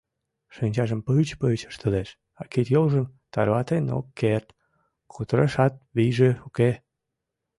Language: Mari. Шинчажым пыч-пыч ыштылеш, а кид-йолжым тарватен ок керт, кутырашат вийже уке.